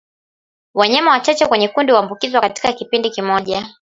Wanyama wachache kwenye kundi huambukizwa katika kipindi kimoja